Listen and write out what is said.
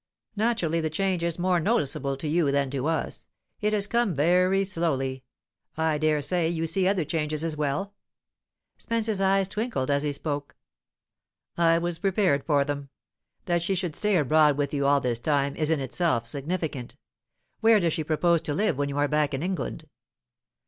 "Naturally the change is more noticeable to you than to us. It has come very slowly. I dare say you see other changes as well?" Spence's eye twinkled as he spoke. "I was prepared for them. That she should stay abroad with you all this time is in itself significant. Where does she propose to live when you are back in England?"